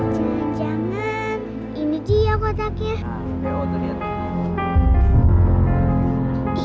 jangan jangan ini dia bataknya